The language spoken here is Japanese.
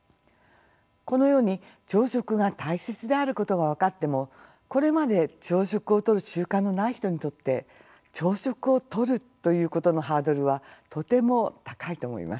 このように朝食が大切であることが分かってもこれまで朝食をとる習慣のない人にとって朝食をとるということのハードルはとても高いと思います。